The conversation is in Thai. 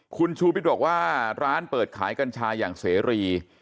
คุณชูวิทย์บอกว่าร้านเปิดขายกัญชาอย่างเสรี